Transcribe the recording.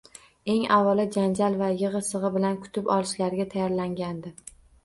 Eng avvalo janjal va yig`i-sig`i bilan kutib olishlariga tayyorlangandi